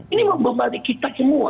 ini membalikkan kami semua